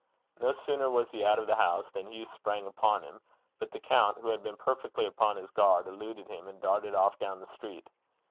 No sooner was he out of the house, than Hugh sprang upon him; but the count, who had been perfectly upon his guard, eluded him, and darted off down the street.